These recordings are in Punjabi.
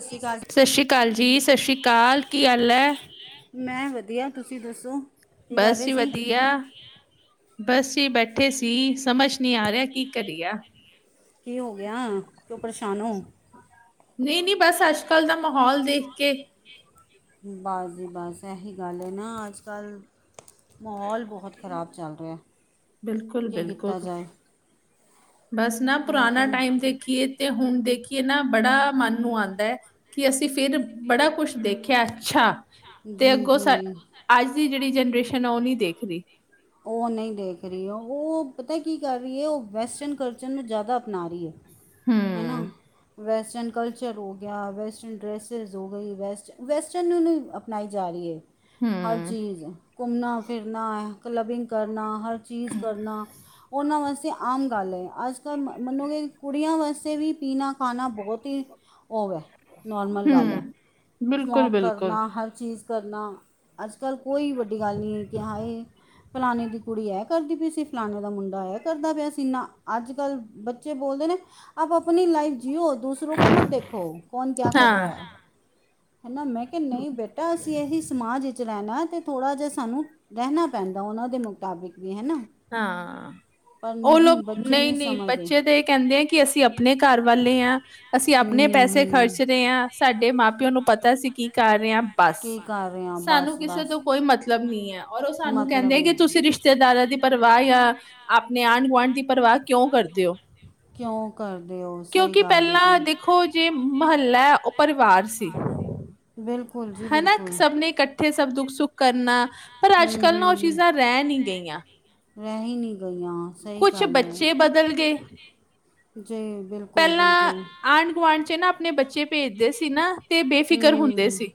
ਸਤਿ ਸ਼੍ਰੀ ਅਕਾਲ ਸਤਿ ਸ੍ਰੀ ਅਕਾਲ ਜੀ ਸਤਿ ਸ੍ਰੀ ਅਕਾਲ ਕੀ ਹਲ ਐ? ਜੀ। ਮੈਂ ਵਧੀਆ ਤੁਸੀ ਦੱਸੋ? ਕੀ ਕਰ ਬਸ ਰਹੇ ਜੀ ਸੀ ਵਧੀਆ। ਬਸ ਜੀ ਬੈਠੇ ਸੀ ਸਮਝ ਨੀ ਆ ਰਯਾ ਕੀ ਕਰਆ। ਕੀ ਹੋ ਗਆ ਕਯੋ ਪਰਸ਼ਾਨ ਓ? ਨੀ ਨੀ ਬਸ ਅੱਜ ਕੱਲ ਦਾ ਮਹੌਲ ਦੇਖ ਕੇ। ਬਸ ਜੀ ਬਸ ਐਹੀ ਗੱਲ ਏ ਨਾ ਅੱਜ ਕੱਲ ਮਹੌਲ ਬੋਹੋਤ ਖਰਾਬ ਚੱਲ ਰਆ ਬਿਲਕੁਲ ਕੀ ਬਿਲਕੁਲ ਕੀਤਾ ਜਾਏ। ਬਸ ਨਾ ਹੁਣ ਪੁਰਾਨਾ ਤਾਂ ਟਾਈਮ ਦੇਖੀਏ ਤੇ ਹੁਨ ਦੇਖੀਏ ਨਾ ਬੜਾ ਮਨ ਨੂੰ ਆਂਦਾ ਏ। ਕਿ ਅਸੀ ਫੇਰ ਬੜਾ ਕੁਸ਼ ਦੇਖਆ ਏ ਅੱਛਾ। ਤੇ ਜੀ ਅੱਗੋ ਸਾਡ ਜੀ ਅੱਜ ਦੀ ਜੇੜੀ ਜਨਰੇਸ਼ਨ ਏ ਓ ਨੀ ਦੇਖਦੀ। ਓ ਨਹੀ ਦੇਖ ਰੀ ਓ ਪਤਾ ਕੀ ਕਰ ਰਿ ਏ ਓ ਵੈਸਟਰਨ ਕਲਚਰ ਨੂੰ ਜਾਦਾ ਅਪਨਾ ਰੀ ਏ। ਹਨਾ ਹੂੰ ਵੈਸਟਨ ਕਲਚ ਹੋ ਗਆ ਵੈਸਟਰਨ ਡਰੈਸਿਸ ਹੋ ਗਈ ਵੈਸਟ ਵੈਸਟਰਨ ਨੂੰ ਨੀ ਅਪਨਾਈ ਜਾ ਰਿ ਏ। ਹਰ ਹੂੰ ਚੀਜ਼ ਘੁੰਮਨਾ ਫਿਰਨਾ ਕਲਬਬਿੰਗ ਕਰਨਾ ਹਰ ਚੀਜ਼ ਕਰਨਾ ਓਨਾ ਵਾਸਤੇ ਆਮ ਗੱਲ ਐ। ਅੱਜ ਕੱਲ ਮੰਨੋਗੇ ਕੁੜੀਆ ਵਾਸਤੇ ਵੀ ਪੀਨਾ ਖਾਨਾ ਬੋਤ ਈ ਓ ਐ ਨੋਰਮਲ ਗੱਲ ਐ। ਹੂੰ ਬਿਲਕੁਲ ਸਮੋਕ ਕਰਨਾ ਬਿਲਕੁਲ ਹਰ ਚੀਜ਼ ਕਰਨਾ ਅੱਜ-ਕੱਲ ਕੋਈ ਵੱਡੀ ਗੱਲ ਨੀ ਐ ਕਿ ਹਾਂ ਏ ਫਲਾਨੇ ਦੀ ਕੁੜੀ ਐ ਕਰਦੀ ਪ‌ਈ ਸੀ ਫਲਾਨੇ ਦਾ ਮੁੰਡਾ ਐ ਕਰਦਾ ਪਆ ਸੀ ਨਾ ਅੱਜ-ਕੱਲ ਬੱਚੇ ਬੋਲਦੇ ਨੇ ਆਪ ਆਪਨੀ ਲਾਈਫ ਜੀਓ। ਦੂਸਰੋ ਕੋ ਮਤ ਦੇਖੋ ਕੌਨ ਕਆ ਕਰ ਰਾ ਹਾਂ ਐ। ਹਨਾ ਮੈਂ ਕਯਾ ਨਯੀ ਬੇਟਾ ਅਸੀ ਏਹੀ ਸਮਾਜ ਈਚ ਰੇਨਾ ਤੇ ਥੋੜਾ ਜਾ ਸਾਨੂੰ ਰਹਨਾ ਪੈਂਦਾ ਓਨਾ ਦੇ ਮੁਤਾਬਿਕ। ਵੀ ਹੈ ਨਾ ਹਾਂ। ਪਰ ਓ ਨਹੀਂ ਲੋਕ ਬੱਚੇ ਨਯੀ ਨਹੀਂ ਨਯੀ ਸਮਝਦੇ ਬੱਚੇ ਤੇ ਐ ਕੇਂਦੇ ਆ ਕਿ ਅਸੀ ਅਪਨੇ ਘਰ ਵੱਲ ਈ ਆ ਅਸੀ ਅਪਨੇ ਹੂੰ ਪੈਸੇ ਹੂੰ ਖਰਚ ਰੇ ਆ ਸਾਡੇ ਮਾਂ-ਪਿਓ ਨੂੰ ਪਤਾ ਅਸੀ ਕੀ ਕਰ ਰੇ ਆ। ਬਸ ਕੀ ਕਰ ਰਹੇ ਹਾਂ ਸਾਨੂੰ ਬਸ ਕਿਸੇ ਬਸ ਤੋ ਕੋਈ ਮਤਲਬ ਮਤਲਬ ਨੀ ਐ ਔਰ ਓ ਸਾਨੂੰ ਮਤਲਬ ਕੇਂਦੇ ਕਿ ਨਹੀਂ ਤੁਸੀ ਰਿਸ਼ਤੇਦਾਰਾਂ ਦੀ ਪਰਵਾਹ ਯਾ ਅਪਨੇ ਆਂਢ-ਗੁਆਂਢ ਦੀ ਪਰਵਾ ਕਯੋ ਕਰਦੇ ਓ। ਕਯੋ ਕਰਦੇ ਓ ਸਯੀ ਗੱਲ ਏ ਪਹਿਲਾਂ ਜੀ। ਦੇਖੋ ਜੇ ਮਹੱਲਾ ਐ ਓ ਪਰਵਾਰ ਸੀ, ਬਿਲਕੁਲ ਜੀ ਹੈਨਾ ਬਿਲਕੁਲ ਸਭ ਨੇ ਕੱਠ ਠੇ ਸਭ ਦੁੱਖ-ਸੁੱਖ ਕਰਨਾ ਪਰ ਹੂੰ ਅੱਜ-ਕੱਲ ਨਾ ਓ ਚੀਜਾ ਰੇ ਨੀ ਗਈਆ। ਰੇਹੇ ਹੀ ਨੀ ਗਈਆ ਸਹੀ ਕੁਛ ਗੱਲ ਐ ਬੱਚੇ ਬਦਲ ਜੀ ਬਿਲ ਪੇਲਾ ਆਂਢ-ਗੁਆਂਢ ਚ ਨਾ ਆਪਨੇ ਬੱਚੇ ਪੇਜਦੇ ਸੀ ਨਾ ਤੇ ਬੇਫਿਕਰ ਹੁੰਦੇ ਹੂੰ ਸੀ,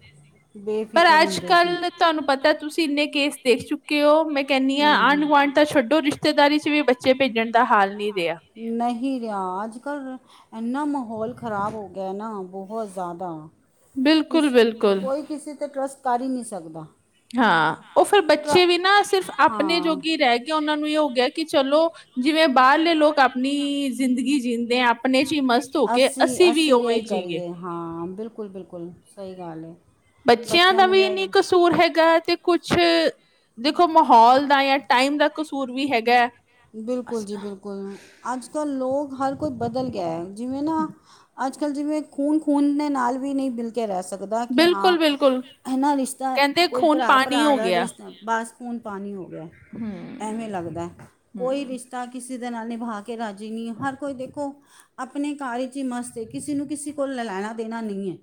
ਪਰ ਬੇਫਿਕਰ ਹੁੰਦੇ ਸੀ ਆੱਜ-ਕਾੱਲ ਤਾਨੂੰ ਪਤਾ ਤੁਸੀ ਇੰਨੇ ਕੇਸ ਦੇਖ ਚੁੱਕੇ ਓ ਮੈਂ ਕੈਨੀ ਹੂੰ ਆ ਆਂਢ-ਗੁਾਂਢ ਤਾ ਛੱਡੋ ਰਿਸ਼ਤੇਦਾਰੀ ਚ ਵੀ ਬੱਚੇ ਪੇਜਨ ਦਾ ਹਾਲ ਨੀ ਰੇਆ। ਨਹੀ ਰੇਆ ਆੱਜ-ਕਾੱਲ ਐਨਾ ਮਹੌਲ ਖਰਾਬ ਹੋ ਗੇਐ ਨਾ ਬੈਹਤ ਜ਼ਾਦਾ ਬਿਲਕੁਲ ਕਿਸੀ, ਬਿਲਕੁਲ ਕੋਈ ਕਿਸੀ ਤੇ ਟਰੱਸਟ ਕਰ ਈ ਨੀ ਸਕਦਾ। ਹਾਂ ਓ ਫੇਰ ਟਰ ਬੱਚੇ ਵੀ ਨਾ ਸਿਰਫ ਆਪਨੇ ਹਾਂ ਜੋਗੀ ਈ ਰੈ ਕਿ ਓਨਾ ਨੂੰ ਇਯੋ ਓ ਗਯਾ ਕਿ ਚਲੋ ਜਿਵੇ ਬਾਰਲੇ ਲੋਕ ਆਪਨੀ ਜ਼ਿੰਦਗੀ ਜੀਂਦੇ ਐ ਅ ਪਨੇ ਚ ਈ ਮਸਤ ਓ ਕੇ ਅਸੀਂ ਅਸੀ ਵੀ ਅਸੀਂ ਓਵੇ ਇਹੀ ਜੀਏ। ਕਰੀਏ ਹਾਂ ਬਿਲਕੁਲ-ਬਿਲਕੁਲ, ਸਈ ਗਾੱਲ ਏ। ਬੱਚੇਆਂ ਦਾ ਵੀ ਨੀ ਕਸੂਰ ਹੈਗਾ ਤੇ ਕੁਛ, ਦੇਖੋ ਮਹੌਲ ਦਾ ਯਾ ਟਾਈਮ ਦਾ ਕਸੂਰ ਵੀ ਹੈਗੈ। ਬਿਲਕੁਲ ਜੀ ਬਿਲਕੁਲ ਆੱਜ-ਕਾੱਲ ਲੋਗ ਹਰ ਕੋਈ ਬਦਲ ਗੇਐ ਜਿਵੇ ਨਾ ਆੱਜ-ਕਾੱਲ ਜਿਵੇ ਖੂਨ-ਖੂਨ ਨੇ ਨਾਲ ਵੀ ਨੀ ਬਿਲ ਕੇ ਰੈ ਸਕਦਾ ਕਿ ਹਾ ਬਿਲਕੁਲ ਬਿਲਕੁਲ ਇਹਨਾ ਰਿਸ਼ਤਾ ਕਹਿੰਦੇ ਕੋਈ ਖੂਨ ਪਾਣੀ ਪਰਾ-ਪਰਾ ਹੋ ਦਾ ਗਿਆ। ਰਿਸ਼ ਬਾੱਸ ਖੂਨ ਪਾਨੀ ਓ ਗੇਐ, ਹੂੰ ਐਵੇ ਲੱਗਦੈ ਕੋਈ ਹੂੰ। ਰਿਸ਼ਤਾ ਕਿਸੇ ਦੇ ਨਾਲ ਨਿਭਾ ਕੇ ਰਾਜੀ ਨੀ ਐ ਹਰ ਕੋਈ ਦੇਖੋ ਆਪਨੇ ਘਾੱਰ ਇਚ ਈ ਮਸਤ ਏ ਕਿਸੇ ਨੂੰ ਕਿਸੇ ਕੋਲ ਲਾ ਲੈਨਾ ਦੇਨਾ ਨੀ ਏ।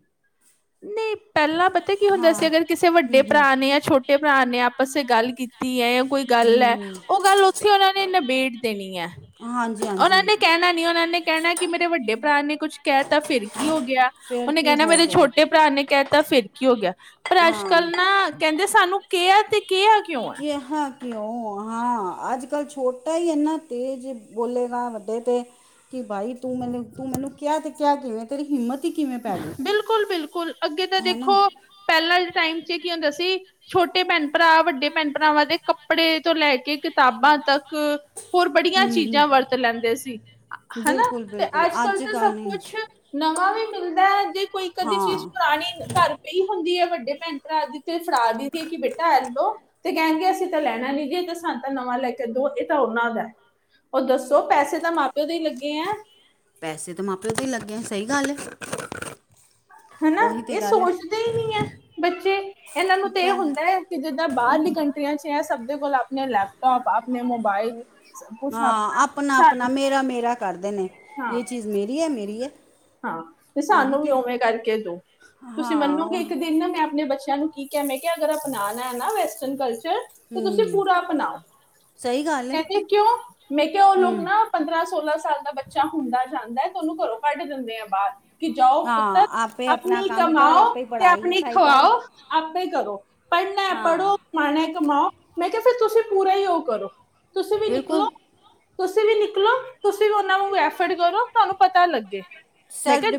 ਨਈ ਪੈਲਾ ਪਤਾ ਕੀ ਹੋਂਦਾ ਹਾਂ ਸੀ ਅਗਰ ਕਿਸੇ ਹੂੰ ਵੱਡੇ ਹੂੰ ਹੂੰ ਪਰਾ ਨੇ ਯਾ ਛੋ ਟੇ ਪਰਾ ਨੇ ਆਪਸ ਚ ਗਾੱਲ ਕੀਤੀ ਐ ਕੋਈ ਗਾੱਲ ਐ, ਹੂੰ। ਓ ਗਾੱਲ ਓਥੇ ਓਨਾ ਨੇ ਨਬੇੜ ਦੇਨੀ ਐ। ਹਾਂਜੀ। ਓਨਾ ਹਾਂਜੀ ਨੇ ਕੈਨਾ ਨੀ ਓਨਾ ਨੇ ਕੈਣੈ ਕਿ ਮੇਰੇ ਵੱਡੇ ਪਰਾ ਨੇ ਕੁਛ ਕੈ ਤਾਂ ਫੇਰ ਕੀ ਓ ਗਯਾ। ਫੇਰ ਕੀ ਹੋ ਗਯਾ। ਟੇ ਪਰਾ ਨੇ ਕੈਤਾ ਫੇਰ ਕੀ ਓ ਗਯਾ ਪਰ ਹਾਂ ਆੱਜ-ਕਾੱਲ ਨਾ ਕੈਂਦੇ ਸਾਨੂੰ ਕੇਆ ਤੇ ਕੇਆ ਕਯੋ ਆ ਕਿਹਾ ਕਯੋ ਹਾਂ ਆੱਜ-ਕਾੱਲ ਛੋਟਾ ਈ ਐਨਾ ਤੇਜ ਏ ਬੋਲੇਗਾ ਵੱਡੇ ਤੇ ਕਿ ਬਾਈ ਤੂੰ ਮੈਨੂੰ ਤੂੰ ਮੈਨੂੰ ਕੇਆ ਤੇ ਕੇਆ ਕਿਵੇ ਤੇਰੀ ਹਿੰਮਤ ਹੀ ਕਿਵੇਂ ਪੈ ਗਈ ਬਿਲਕੁਲ-ਬਿਲਕੁਲ ਅੱਗੇ ਤਾ ਹੈ ਨਾ ਦੇਖੋ ਪੈਲਾ ਦੇ ਟਾਈਮ ਚ ਕੀ ਓਂਦਾ ਸੀ ਛੋਟੇ ਪੈਨ-ਪਰਾ ਵੱਡੇ ਪੈਨ-ਪਰਾਵਾਂ ਦੇ ਕੱਪੜੇ ਤੋ ਲੈ ਕੇ ਕਿਤਾਬਾ ਤੱਕ ਹੋਰ ਬੜੀਆਂ ਹਮ ਹਮ ਚੀਜਾ ਵਰਤ ਲੈਂਦੇ ਸੀ ਹਨਾ ਬਿਲਕੁਲ ਤੇ ਬਿਲਕੁਲ ਆੱਜ-ਕਾੱਲ ਅੱਜ ਤਾਂ ਕੱਲ੍ਹ ਸਬ ਨਹੀਂ ਕੋਛ ਨਵਾਂ ਵੀ ਮਿਲਦੈ ਜੇ ਕੋਈ ਕਦੀ ਚੀਜ ਹਾਂ ਪੁਰਾਨੀ ਘਾੱਰ ਪਈ ਹੋਂਦੀ ਹੈ ਵੱਡੇ ਪੈਣ-ਪਰਾ ਦੀ ਤੇ ਫੜਾ ਦੇਦੀ ਐ ਕਿ ਬੇਟਾ ਐ ਲੋੋ ਤੇ ਕੈਨਗੇ ਅਸੀ ਤਾ ਲੈਨਾ ਨੀ ਜੀ ਐ ਤੇ ਸਾਨ ਤਾ ਨਵਾ ਲੈ ਕੇ ਦੋ ਏ ਤਾ ਓਨਾ ਦੈ। ਓ ਦੱਸੋ ਪੈਸੇ ਤਾ ਮਾਂ-ਪਯੋ ਦੇ ਈ ਲੱਗੇ ਐ। ਪੈਸੇ ਤੇ ਮਾਂ-ਪਯੋ ਦੇ ਈ ਲੱਗੇ ਐ ਸਈ ਗਾੱਲ ਏ। ਹੈਨਾ ਇ ਸੋਚਦੇ ਈ ਨੀ ਐ, ਬੱਚੇ ਏਨਾ ਨੂੰ ਤੇ ਏ ਪੈ ਹੋਂਦੈ ਕਿ ਜਿੱਦਾਂ ਬਾਰਲੀ ਕੰਟਰੀਆਂ ਚ ਐ ਸੱਬ ਦੇ ਕੋਲ ਆਪਨੇ ਲੈਪਟੋਪ ਆ ਆਪਨੇ ਮੋਬਾਇਲ ਆ ਆਪਨਾ-ਆਪਨਾ ਮੇਰਾ-ਮੇਰਾ ਕਰਦੇ ਨੇ ਹਾਂ ਯੇ ਚੀਜ਼ ਮਰੀ ਐ ਮਰੀ ਐ। ਹਾਂ ਤੇ ਸਾਨੂੰ ਵੀ ਓਵੇ ਕਾਰਕੇ ਦੋ, ਤੁਸੀ ਹਾਂ ਮਨੋਗੇ ਇੱਕ ਉਹੀ ਦਿਨ ਨਾ ਮੈਂ ਅਪਨੇ ਬੱਚੇਆਂ ਨੂੰ ਕਿ ਕਯਾ ਮੈਂ ਕਯਾ ਅਗਰ ਅਪਨਾਨਾ ਐ ਨਾ ਵੈਸਟੱਨ ਕਲਚਰ ਤੇ ਤੁਸੀ ਹਮ ਪੂਰਾ ਅਪਨਾਓ, ਸਹੀ ਗੱਲ ਹੈ ਕੈਂਦੇ ਕਯੋ ਮੈਂ ਕਯਾ ਓ ਲੋਗ ਹਮ ਨਾ ਪੰਦਰਾ ਸੋਲਾ ਸਾਲ ਦਾ ਬੱਚਾ ਹੁੰਦਾ ਜਾਂਦੈ ਤੇ ਉਨੂੰ ਘੱਰੋ ਕੱਢ ਦੇਂਦੇ ਐ ਬਾਰ। ਕਿ ਜਾਓ ਪੁੱਤਰ ਆਪਨੀ ਕਮਾਓ ਤੇ ਆਪਨੀ ਖਵਾਓ ਆਪੇ ਕਰੋ। ਪੜਨੈ ਪੜੋ ਕਮਾਣਾ ਐ ਕਮਾਓ, ਮੈਂ ਕਯਾ ਫੇਰ ਤੁਸੀ ਪੂਰਾ ਈ ਓ ਕਰੋ। ਤੁਸੀਂ ਵੀ ਬਿਲਕੁਲ। ਨਿਕਲੋ ਤੁਸੀਂ ਵੀ ਨਿਕਲੋ ਤੁਸੀਂ ਵੀ ਉਹਨਾ ਨੂੰ ਐਫਡ ਕਰੋ ਤੁਹਾਨੂੰ ਪਤਾ ਲੱਗੇ। ਮੈਂ ਕਿਹਾ,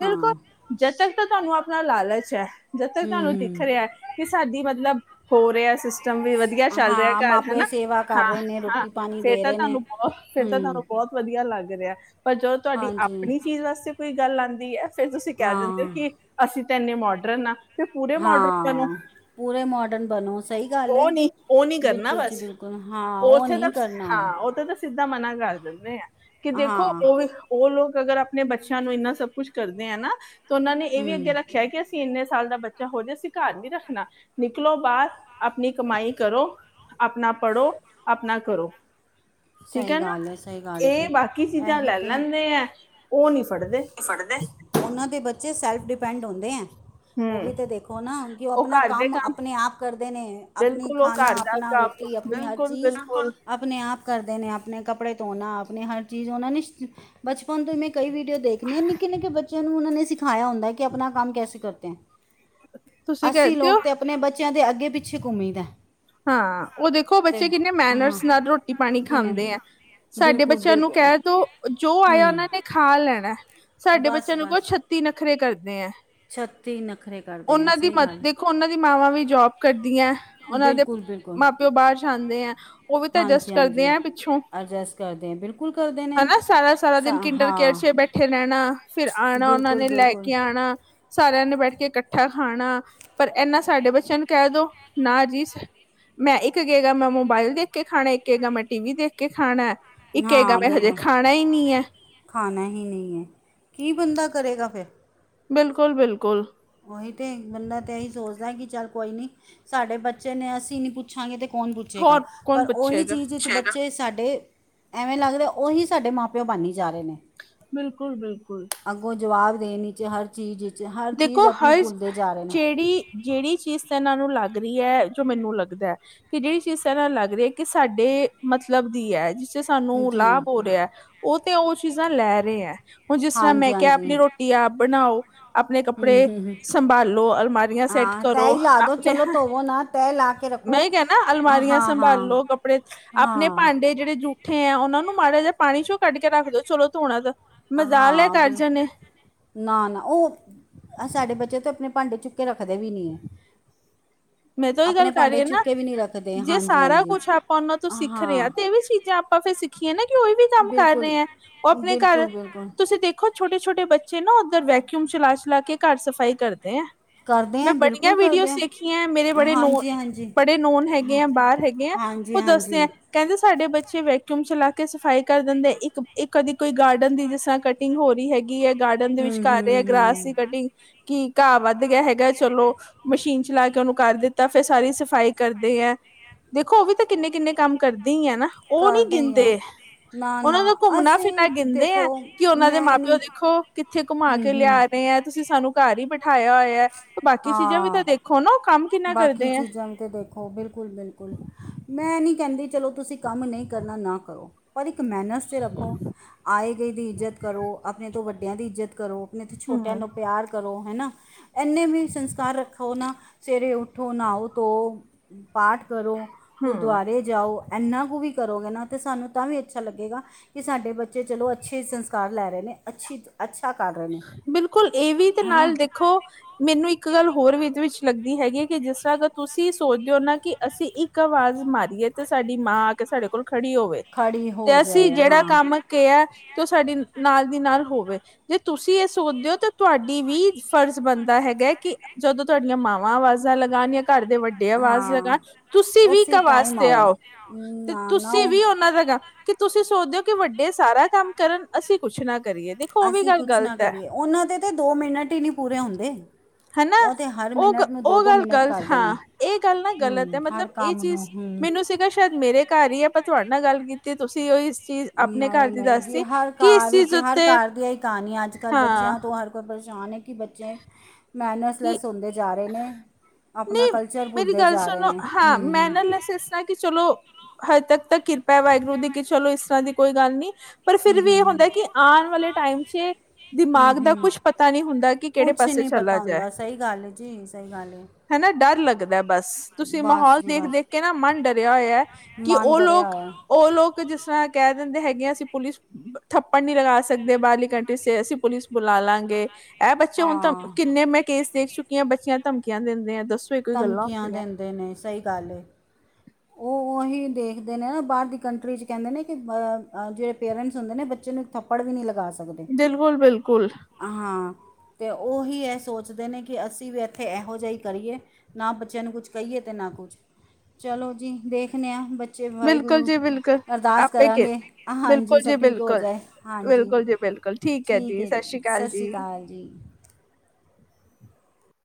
ਬਿਲਕੁਲ ਜਦ ਤੱਕ ਤਾਂ ਤੁਹਾਨੂੰ ਆਪਣਾ ਲਾਲਚ ਹੈ ਜਦ ਤੱਕ ਤੁਹਾਨੂੰ ਖ ਰਿਹਾ ਕਿ ਸਾਡੀ ਮਤਲਬ ਹੋ ਰਿਹਾ ਸੀ। ਚੰਗ ਵੀ ਵਧੀਆ ਚੱਲ ਰਿਹਾ ਹਾਂ ਘਰ ਮਾਂ ਹਨ। ਪਿਓ ਸੇਵਾ ਕਰ ਹਾਂ ਰਹੇ ਨੇ ਹਾਂ ਰੋਟੀ ਪਾਣੀ ਫੇਰ ਦੇ ਤਾਂ ਰਹੇ ਨੇ ਤੁਹਾਨੂੰ ਬਹੁਤ, ਫਿਰ ਹੂੰ ਤਾਂ ਤੁਹਾਨੂੰ ਬਹੁਤ ਵਧੀਆ ਲੱਗ ਰਿਹਾ ਪਰ ਜਦੋਂ ਤੁਹਾਡੀ ਹਾਂਜੀ ਆਪਣੀ ਚੀਜ਼ ਵਾਸਤੇ ਕੋਈ ਗੱਲ ਆਦੀ ਐ। ਫਿਰ ਤੁਸੀਂ ਕਹਿ ਦਿੰਦੇ ਹੋ ਹਾਂ ਕੀ, ਅਸੀਂ ਤਾਂ ਇੰਨੇ ਮੋਡਰਨ ਆਂ। ਤੇ ਪੂਰੇ ਮਾਡਰਨ ਬਨੋ, ਹਾਂ ਪੂਰੇ ਮਾਡਰਨ ਬਣੋ ਸਹੀ ਗੱਲ ਹੈ ਉਹ ਨੀ-ਉਹ ਨੀ ਕਰਨਾ ਬਿਲਕੁਲ ਜੀ ਬਸ ਬਿਲਕੁਲ ਹਾਂ ਉਹ ਉੱਥੇ ਤਾਂ ਨਹੀਂ ਸ ਕਰਨਾ ਹਾਂ ਉੱਥੇ ਤਾਂ ਸਿੱਧਾ ਮਨਾ ਕਰ ਦਿੰਦੇ ਐ, ਕਿ ਦੇਖੋ ਹਾਂ ਉਹ ਵੀ ਉਹ ਲੋਕ ਅਗਰ ਆਪਣੇ ਬੱਚਿਆਂ ਨੂੰ ਇਨਾ ਸਭ ਕੁੱਛ ਕਰਦੇ ਆ ਨਾ ਤਾਂ ਉਹਨਾਂ ਨੇ ਇਹ ਵੀ ਅੱਗੇ ਹੂੰ ਰੱਖਿਆ ਕਿ ਅਸੀ ਕੀ ਇੰਨੇ ਸਾਲ ਦਾ ਬੱਚਾ ਹੋ ਜਾ ਅਸੀ ਘਰ ਨੀ ਰੱਖਣਾ ਨਿਕਲੋ ਬਾਹਰ ਆਪਣੀ ਕਮਾਈ ਕਰੋ। ਆਪਣਾ ਪੜ੍ਹੋ ਆਪਣਾ ਕਰੋ। ਠੀਕ ਹੈ ਸਹੀ ਨਾ। ਗੱਲ ਸਹੀ ਗੱਲ ਇਹ ਜੀ ਬਾਕੀ ਚੀਜ਼ਾਂ ਇਹੀ ਲੈ ਲੈਂਦੇ ਐ, ਉਹ ਨੀ ਫੜਦੇ ਫੜਦੇ, ਉਹਨਾਂ ਦੇ ਬੱਚੇ ਸੈਲਫ ਡਿਪੈਂਡ ਹੁੰਦੇ ਐ। ਉਹ ਵੀ ਹੂੰ ਤਾਂ ਦੇਖੋ ਨਾ ਕਿ ਉਹ ਆਪਣਾ ਕੰਮ ਆਪਣੇ ਆਪ ਕਰਦੇ ਨੇ ਆਪਣੀ ਬਿਲਕੁਲ ਉਹ ਖਾਣਾ ਘਰ ਦਾ ਆਪਣਾ ਰੋ ਕੰਮ -ਟੀ, ਆਪਣੀ ਹਰ ਬਿਲਕੁਲ ਚੀਜ਼ ਬਿਲਕੁਲ ਆਪ ਆਪਣੇ ਆਪ ਕਰਦੇ ਨੇ ਆਪਣੇ ਕੱਪੜੇ ਧੋਣਾ ਆਪਣੇ ਹਰ ਚੀਜ਼ ਹੋਣਾ ਨ ਬਚਪਨ ਤੋਂ ਮੈਂ ਕਈ ਵੀਡੀਓ ਦੇਖਣੀ ਆ ਨਿੱਕੇ- ਨਿੱਕੇ ਬੱਚਿਆਂ ਨੂੰ ਉਹਨਾਂ ਨੇ ਸਿਖਾਇਆ ਹੁੰਦਾ ਕਿ ਆਪਣਾ ਕੰਮ ਕੈਸੇ ਕਰਤੇ ਹੈ। ਤੁਸੀਂ ਅਸੀ ਕਹਿੰਦੇ ਲੋਕ ਹੋ ਤੇ ਆਪਣੇ ਬੱਚਿਆਂ ਦੇ ਅੱਗੇ ਪਿੱਛੇ ਘੁੰਮੀ ਦਾ ਹਾਂ ਉਹ ਦੇਖੋ ਬੱਚੇ ਕਿੰਨੇ ਹਾਂ ਮੈਨਰਸ ਨਾਲ ਰੋਟੀ-ਪਾਣੀ ਕਿੰਨੇ ਖਾਂਦੇ ਐ। ਸਾਡੇ ਬਿਲਕੁਲ ਬੱਚਿਆਂ ਨੂੰ ਬਿਲਕੁਲ ਕਹਿ ਦੋ, ਜੋ ਆਇਆ ਉਹਨਾਂ ਨੇ ਹੂੰ ਖਾ ਲੈਣਾ, ਸਾਡੇ ਬਸ ਬੱਚਿਆਂ ਨੂੰ ਕੋਲ ਬਸ ਛੱਤੀ ਨਖਰੇ ਕਰਦੇ ਐ। ਛੱਤੀ ਨਖਰੇ ਕਰਦੇ ਹੈ ਸਹੀ ਗੱਲ ਤੇ ਮਾਵਾਂ ਵੀ ਜੋਬ ਕਰਦੀ ਐ। ਬਿਲਕੁਲ- ਬਿਲਕੁਲ। ਮਾਂ ਪਿਓ ਬਾਹਰ ਜਾਂਦੇ ਐ ਉਹ ਵੀ ਤਾਂ ਐਡਜਸਟ ਹਾਂਜੀ ਕਰਦੇ ਹਾਂਜੀ ਆ ਪਿੱਛੋਂ ਐਡਜਸਟ ਕਰਦੇ ਐ ਬਿਲਕੁਲ ਕਰਦੇ ਨੇ ਹਨਾ ਸਾਰਾ- ਸਾਰਾ ਸਾ ਦਿਨ ਕਿਡ ਕੇਰ ਹਾਂ ਚ ਬੈਠੇ ਰਹਿਣਾ ਫਿਰ ਆਣਾ ਉਹਨਾਂ ਬਿਲਕੁਲ ਨੇ ਲੈ ਕੇ ਬਿਲਕੁਲ ਕੇ ਆਣਾ। ਸਾਰਿਆਂ ਨੇ ਬੈਠ ਕੇ ਇਕੱਠਾ ਖਾਣਾ ਪਰ ਇਨਾ ਸਾਡੇ ਬੱਚਿਆਂ ਨੂੰ ਕਹਿ ਦੋ, ਨਾ ਜੀ ਮੈਂ ਇੱਕ ਕਿਹ ਗਾ ਮੈਂ ਮੋਬਾਇਲ ਦੇਖ ਕੇ ਖਾਣਾ ਇੱਕ ਕਿਹ ਗਿ ਮੈਂ ਟੀ ਵੀ ਦੇਖ ਕੇ ਖਾਣਾ ਐ। ਇੱਕੇ ਕਿਹ ਗਾ ਹਾਂ ਮੈਂ ਹਜੇ ਬਿਲਕੁਲ ਖਾਣਾ ਹੀ ਨੀ ਐ। ਖਾਣਾ ਹੀ ਨੀ ਐ, ਕੀ ਬੰਦਾ ਕਰੇਗਾ ਫਿਰ ਬਿਲਕੁਲ ਬਿਲਕੁਲ। ਉਹੀ ਤੇ ਬੰਦਾ ਤਾਂ ਇਹੀ ਸੋਚਦਾ ਕਿ ਚੱਲ ਕੋਈ ਨੀ ਸਾਡੇ ਬੱਚੇ ਨੇ ਅਸੀਂ ਨੀ ਪੁੱਛਾਂਗੇ ਤੇ ਕੌਣ ਪੁੱਛੇਗਾ। ਹੋਰ ਕੌਣ ਪਰ ਉਹੀ ਪੁੱਛੇਗਾ ਚੀਜ਼ ਬੱਚੇ ਸਾਡੇ ਐਵੇਂ ਲੱਗਦਾ ਉਹੀ ਸਾਡੇ ਮਾਂ ਪਿਓ ਬਨੀ ਜਾ ਰਿਹ ਨੇ ਬਿਲਕੁਲ ਬਿਲਕੁਲ। ਅੱਗੋਂ ਜਵਾਬ ਦੇਣ ' ਹਰ ਚੀਜ਼ ' ਹਰ ਚੀਜ਼ ਦੇਖੋ ਆਪਣੀ ਹਰ ਭੁੱਲਦੇ ਜਾ ਰਹੇ ਨੇ ਜਿਹੜੀ ਜਿਹੜੀ ਚੀਜ਼ ਤਾਂ ਇਹਨਾਂ ਨੂੰ ਲੱਗ ਰਹੀ ਐ, ਜੋ ਮੈਨੂੰ ਲੱਗਦਾ ਐ ਕਿ ਜਿਹੜੀ ਚੀਜ਼ ਸ ਨਾਲ ਲੱਗ ਰਹੀ ਹੈ ਕਿ ਸਾਡੇ ਮਤਲਬ ਦੀ ਐ ਜ ਤੇੇ ਸਾਨੂੰ ਜੀ ਲਾਭ ਹੋ ਰਿਹਾ ਉਹ ਤੇ ਉਹ ਚੀਜ਼ਾਂ ਲੈ ਰਹੇ ਐ। ਹੁਣ ਜਿਸ ਤਰ੍ਹਾਂ ਮੈਂ ਹਾਂਜੀ ਕਿਆ ਹਾਂਜੀ ਆਪਣੀ ਰੋਟੀ ਆਪ ਬਣਾਓ ਆਪਣੇ ਹਮ ਹਮ ਕੱਪੜੇ, ਹਮ ਸੰਭਾਲੋ ਅਲਮਾਰੀਆਂ ਸੈਟ ਹਾਂ ਕਰੋ ਤੈਅ ਹੀ ਲਾ ਦੋ ਆਪਣੇ ਚਲੋ ਧੋਵੋ ਨਾ ਤੈਅ ਲਾ ਕੇ ਮੈਂ ਰੱਖੋ ਇਹੀ ਕਿਆ ਨਾ ਹਾਂ ਅਲਮਾਰੀਆਂ ਹਾਂ ਸੰਭਾਲੋ ਕੱਪੜੇ, ਆਪਣੇ ਹਾਂ ਭਾਂਡੇ ਜਿਹੜੇ ਜੂ ਉਠੇ ਆ ੳਨਾ ਨੂੰ ਮਾੜਾ ਜੇਆ ਪਾਨੀ ਚੋਂ ਕੱਢ ਕੇ ਰੱਖ ਦੋ ਚਲੋ ਧੋਨਾ ਤੇ, ਮਜਾਲ ਏ ਹਾਂ ਕਰ ਬਿਲ ਜਨ ਏ। ਨਾ ਨਾ ੳਹ ਸਾਡੇ ਬੱਚੇ ਤੇ ਅਪਨੇ ਭਾਂਡੇ ਚ ਕੇ ਰਖਦੇ ਵੀ ਨਈ ਏ। ਮੈਂ ਤਾਂ ੳਈ ਗਲ ਕਰ ਰਈ ਆ ਨਾ, ਜੇ ਹਾਂਜੀ ਸਾਰਾ ਹਾਂਜੀ ਕੁਛ ਆਪਾਂ ੳਨਾਂ ਤੋਂ ਸਿਖ ਰੇ ਆ ਹਾਂ ਤੇ ਏ ਵੀ ਚੀਜਾਂ ਆਪਾਂ ਫੇਰ ਸਿਖ ਕੀ ਏ ਨਾ ਕਿ ੳਈ ਵੀ ਕੰਮ ਕਰ ਰਏ ਬਿਲਕੁਲ ਐਂ ੳਹ ਅਪਨੇ ਘਰ ਬਿਲਕੁਲ ਬਿਲਕੁਲ ਤੁਸੀ ਦੇਖੋ ਛੋਟੇ ਛੋਟੇ ਬੱਚੇ ਨਾ ੳਧਰ ਵੈਕਊਮ ਚਲਾ- ਚਲਾ ਕੇ ਘਰ ਸਫਾਈ ਕਰਦੇ ਆ। ਕਰਦੇ ਮੈਂ ਹੈ ਬੜੀਆਂ ਬਿਲਕੁਲ ਕਰਦੇ ਵੀਡੀਓਸ ਹੈ ਦੇਖੀ ਆਂ, ਮੇਰੇ ਬੜੇ ਨੋ ਹਾਂਜੀ ਹਾਂਜੀ ਬੜੇ ਨੋਨ ਹੈਗੇ ਹਾਂ ਆ ਬਾਹਰ ਹੈਗੇ ਆ ਹਾਂਜੀ ੳਹ ਦੱਸਦੇ ਹਾਂਜੀ ਐਂ ਕੈਂਦੇ ਸਾਡੇ ਬੱਚੇ ਵੈਕਊਮ ਚਲਾ ਕੇ ਸਫ਼ਾਈ ਕਰ ਦੇਂਦੇ ਇੱਕ, ਇੱਕ ਕਦੀ ਕੋਈ ਗਾਰਡਨ ਦੀ ਜਿਸਰਾਂ ਕਟਿੰਗ ਹੋ ਰੀ ਹੈਗੀ ਕੀ ਏਹੈ ਗਾਰਡਨ ਦੇ ਵਿੱਚ ਹਮ ਕਰ ਰੇਆ ਐ ਹਮ ਗ੍ਰਾਸ ਦੀ ਹਮ ਕਟਿੰਗ, ਕਿ ਘਾ ਵਧ ਗਿਆ ਹੈਗਾ ਚਲੋ ਮਸ਼ੀਨ ਚਲਾ ਕੇ ੳਨੂੰ ਕਰ ਦਿੱਤਾ ਫੇਰ ਸਾਰੀ ਸਫਾਈ ਕਰਦੇ ਐ। ਦੇਖੋ ੳ ਵੀ ਤਾਂ ਕਿੰਨੇ ਕਿੰਨੇ ਕੰਮ ਕਰਦੇ ਈ ਆ ਨਾ, ੳਹ ਨੀ ਕਰਦੇ ਹੀ ਹੈ ਗਿਨਦੇ। ਨਾ ੳਨਾਂ ਨਾ ਦਾ ਘੁੰਮਣਾ- ਫਿਰਨਾ ਅਸੀਂ ਗਿਨਦੇ ਐ ਦੇਖੋ ਕਿ ੳਨਾਂ ਦੇ ਮੈਂ ਮਾਂ-ਪਿਓ ਨਹੀਂ ਦੇਖੋ ਕਿਥੇ ਘੁਮਾ ਹੂੰ ਕੇ ਹੂੰ ਲੇਆ ਨੇ, ਤੁਸੀ ਸਾਨੂੰ ਘਰ ਈ ਬਿਠਾਯਾ ਹੋਏਆ, ਬਾਕੀ ਚੀਜਾਂ ਵੀ ਹਾਂ ਤਾਂ ਦੇਖ ਬਾਕੀ ਚੀਜਾਂ ਵੀ ਤੇ ਦੇਖੋ ਬਿਲਕੁਲ-ਬਿਲਕੁਲ। ਮੈਂ ਐ ਨੀ ਕੈਂਦੀ ਚਲੋ ਤੁਸੀ ਕੰਮ ਨਈ ਕਰਨਾ ਨਾ ਕਰੋ, ਪਰ ਇੱਕ ਮੈਨਰਸ ਤੇ ਰੱਖੋ ਆਏ-ਗਏ ਦੀ ਇੱਜ਼ਤ ਕਰੋ, ਅਪਨੇ ਤੋਂ ਵੱਡਿਆਂ ਦੀ ਇੱਜ਼ਤ ਕਰੋ, ਅਪਨੇ ਤੋਂ ਛੋਟਿਆਂ ਹਮ ਨੂੰ ਪਿਆਰ ਕਰੋ ਹੈਨਾ। ਐਨੇ ਵੀ ਸੰਸਕਾਰ ਰੱਖੋ ਨਾ, ਸਵੇਰੇ ਉਠੋ, ਨਾਓ-ਧੋਓ, ਪਾਠ ਕਰੋ ਹਮ ਗੁਰਦੁਆਰੇ ਜਾਓ। ਏਨਾ ਕੁ ਵੀ ਕਰੋਗੇ ਨਾ ਤੇ ਸਾਨੂੰ ਤਾਂ ਵੀ ਅੱਛਾ ਲਗੇਗਾ ਕਿ ਸਾਡੇ ਬੱਚੇ ਚਲੋ ਅੱਛੇ ਸੰਸਕਾਰ ਲੈ ਰਏ ਨੇ ਅੱਛੀ ਅੱਛਾ ਕਰ ਰੇ ਬਿਲਕੁਲ, ਏ ਵੀ ਤੇ ਨਾਲ ਦੇਖੋ ਮੈਨੂੰ ਇੱਕ ਗੱਲ ਹੋਰ ਵਿਚ-ਵਿਚ ਲੱਗਦੀ ਹੈਗੀ ਹੈ ਕਿ ਜਿਸਰਾਂ ਅਗਰ ਤੁਸੀ ਸੋਚਦੇ ੳ ਨਾ ਕਿ ਅਸੀ ਇਕ ਇੱਕ ਆਵਾਜ ਮਾਰੀਏ ਤੇ ਸਾਡੀ ਮਾਂ ਆ ਕੇ ਸਾਡੇ ਕੋਲ ਖੜੀ ਹੋਵੇ ਹੈ ਖੜੀ ਹੋ ਤੇ ਅਸੀ ਜਾਏ ਜੇੜਾ ਹਾਂ। ਕੰਮ ਕੇਆ, ਤੇ ੳਹ ਸਾਡੀ ਨਾਲ ਦੀ ਨਾਲ ਹੋਵੇ ਜੇ ਤੁਸੀ ਐ ਸੋਚਦੇ ੳ ਤਾਂ ਤੁਹਾਡੀ ਵੀ ਫਰਜ ਬਨਦਾ ਹੈਗਾ ਕਿ ਜਦੋਂ ਤੁਹਾਡੀਆਂ ਮਾਵਾਂ ਆਵਾਜ਼ਾਂ ਲਗਾਣ ਘਰ ਦੇ ਵੱਡੇ ਆਵਾਜ ਹਾਂ ਲਗਾਣ, ਤੁਸੀ ਵੀ ਇੱਕ ਉਸੀ ਆਵਾਜ਼ ਟਾਈਮ ਤੇ ਆਓ। ਤੇ ਨਾ ਨਾ ਤੁਸੀਂ ਵੀ ੳਨਾਂ ਲਗਾ ਕਿ ਤੁਸੀ ਸੋਚਦੇ ੳ ਕਿ ਵੱਡੇ ਸਾਰਾ ਕੰਮ ਕਰਨ, ਅਸੀ ਕੁਛ ਨਾ ਕਰੀਏ। ਦੇਖੋ ਉਹ ਵੀ ਅਸੀ ਗੱਲ ਕੁਛ ਨਾ ਗ਼ਲਤ ਹੈ ਕਰੀਏ ੳਨਾਂ ਦੇ ਤੇ ਦੋ ਮਿਨਟ ਈ ਨੀ ਪੂਰੇ ਹੁੰਦੇ। ਹੈਨਾ ਉਹ ਤਾਂ ਹਰ ੳਹ ਗ ਮਿੰਟ ਨੂੰ ਦੋ ੳਹ ਦੋ ਗੱਲ ਮਿੰਟ ਗਲਤ, ਕਰਦੇ ਨੇ ਹਾਂ, ਏ ਗੱਲ ਨਾ ਗਲਤ ਐ ਹੂੰ ਹਰ ਮਤਲਬ ਏਹ ਕੰਮ ਚੀਜ ਨੂੰ ਹੂੰ ਮੈਨੂੰ ਸੀਗਾ ਸੇ਼ਦ ਮੇਰੇ ਘਰ ਈ ਐ, ਪਰ ਤੁਆਡੇ ਨਾਲ ਗੱਲ ਕੀਤੀ ਤੁਸੀ ੳਈ ਨਈ ਨਈ ਜੀ ਹਰ ਘਰ ਇਸ ਵਿਚ ਚੀਜ਼ ਹਰ ਉੱਤੇ ਘਰ ਦੀ ਏਹੀ ਕਹਾਨੀ ਐ, ਅੱਜ-ਕਲ ਹਾਂ ਬੱਚੇਆਂ ਤੋਂ ਹਰ ਪਰੇਸ਼ਾਨ ਏ ਕਿ ਬੱਚੇ ਕਿ ਮੈਨਸਲੈਸ ਹੂੰਦੇ ਜਾ ਰਏ ਨੇ ਅਪਨਾ ਨਹੀਂ ਕਲਚਰ ਮੇਰੀ ਭੁਲਦੇ ਜਾ ਰਏ ਨੇ। ਹੂੰ ਹੂੰ। ਐ ਏ ਕਿ ਚਲੋ ਹਜੇ ਤੱਕ ਤਾਂ ਕਿਰਪਾ ਐ ਵਾਹੇਗੁਰੂ ਦੀ ਕਿ ਚਲੋ ਇਸ ਤਰਾਂ ਦੀ ਕੋਈ ਗੱਲ ਨੀ। ਪਰ ਫਿਰ ਹੂੰ ਵੀ ਹੂੰ ਏ ਹੂੰ ਹੁੰਦਾ ਕਿ ਆਨ ਵਾਲੇ ਟਾਈਮ ਚ ਹੂੰ ਦਿਮਾਗ ਦਾ ਹੂੰ ਕੁਛ ਪਤਾ ਨੀ ਹੁੰਦਾ ਕਿ ਕੇੜੇ ਕੁਛ ਪਾਸੇ ਨਹੀਂ ਚਲਾ ਪਤਾ ਜਾਏ। ਹੁੰਦਾ ਸਹੀ ਗੱਲ ਏ ਜੀ, ਸਹੀ ਗੱਲ ਏ। ਹੈਨਾ ਡਰ ਲਗਦਾ ਬਸ। ਤੁਸੀ ਮਾਹੌਲ ਜੀ ਦੇਖ ਬਸ ਦੇਖ ਕੇ ਨਾ ਮਨ ਡਰਆ ਹੋਏਆ ਕਿ ਮਨ ੳਹ ਡਰਿਆ ਲੋਕ, ਹੋਇਆ ੳਹ ਲੋਕ ਜਿਸਰਾਂ ਕੈ ਦੇਂਦੇ ਹੈਗੇ ਐ ਅਸੀ ਪੁਲਿਸ ਥੱਪੜ ਨੀ ਲਗਾ ਸਕਦੇ ਬਾਹਰਲੀ ਕੰਟਰੀ ਚ, ਅਸੀ ਪੁਲਿਸ ਬੁਲਾ ਲਾਂਗੇ ਐ ਬੱਚੇ ਹੁਨ ਧਮ ਹਾਂ ਕਿੰਨੇ ਮੈਂ ਕੇਸ ਦੇਖ ਚੁੱਕੀ ਆਂ ਬੱਚਿਆਂ ਧਮਕੀਆਂ ਦਿੰਦੇ ਆ ਦੱਸੋ ਇਹ ਕੋਈ ਗੱਲਾਂ ਧਮਕੀਆਂ ਹੁੰਦੀਆਂ ਦਿੰਦੇ ਨੇ ਸਈ ਗੱਲ ਏ। [inaudible] ਐਹੀ ਦੇਖਦੇ ਨੇ ਨਾ ਬਾਰ ਦੀ ਕੰਟਰੀ ਚ ਕੈਂਦੇ ਨੇ ਕਿ ਅ ਜੇੜੇ ਪੇਰੈਂਟਸ ਹੁੰਦੇ ਨੇ ਬੱਚੇ ਨੂੰ ਇੱਕ ਥੱਪੜ ਵੀ ਨੀ ਲਗਾ ਸਕਦੇ। ਬਿਲਕੁਲ-ਬਿਲਕੁਲ। ਹਾਂ ਤੇ ਉਹੀ ਐ ਸੋਚਦੇ ਨੇ ਕਿ ਅਸੀਂ ਵੀ ਇੱਥੇ ਐਹੋ ਜਾ ਕਰੀਏ। ਨਾ ਬੱਚਿਆਂ ਨੂੰ ਕੁਛ ਕਈਏ ਤੇ ਨਾ ਕੁਛ। ਚਲੋ ਜੀ ਦੇਖਨੇ ਆਂ ਬੱ ਚੇ ਬਿਲਕੁਲ ਵਾਹਿਗੁਰੂ ਜੀ ਬਿਲਕੁਲ ਅਰਦਾਸ ਆਪੇ ਕੇ ਕਰਾਂਗੇ, ਹਾਂਜੀ ਬਿਲਕੁਲ ਜੀ ਸਭ ਠੀਕ ਹੋ ਬਿਲਕੁਲ, ਜਾਏ ਹਾਂਜੀ। ਬਿਲਕੁਲ ਜੀ ਬਿਲਕੁਲ ਹੈ ਠੀਕ ਏ ਸਤਿ ਜੀ ਅਕਾਲ ਸਸ ਸ੍ਰੀ ਕਾਲ ਜੀ।